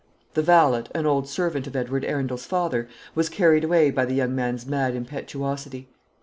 The valet, an old servant of Edward Arundel's father, was carried away by the young man's mad impetuosity.